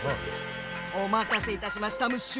おまたせいたしましたムッシュ。